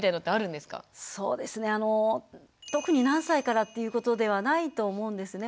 そうですねあの特に何歳からっていうことではないと思うんですね。